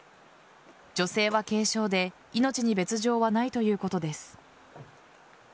女性は軽傷で命に別条はないということです。